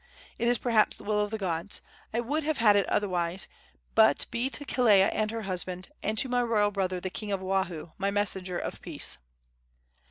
It is perhaps the will of the gods. I would have had it otherwise; but be to Kelea and her husband, and to my royal brother the king of Oahu, my messenger of peace."